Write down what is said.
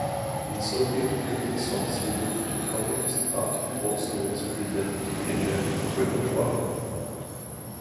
In soviet period songs devoted to Communist party also was present in their repertoire.